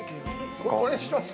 これにします？